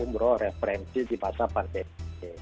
umroh referensi di masa pandemi